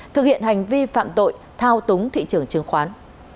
thực hiện hành vi phạm tội thao túng thị trường chứng khoán